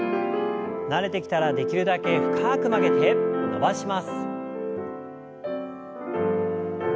慣れてきたらできるだけ深く曲げて伸ばします。